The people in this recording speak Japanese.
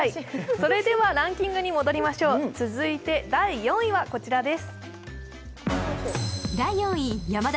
続いてランキングに戻りましょう、続いて第４位はこちらです。